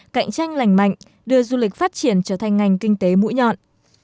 cạnh tranh lành mạnh đưa du lịch phát triển trở thành ngành kinh tế mũi nhọn